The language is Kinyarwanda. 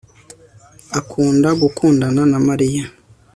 Akunda gukundana na Mariya